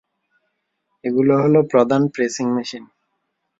এগুলো হল প্রধান প্রেসিং মেশিন।